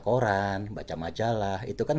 koran baca majalah itu kan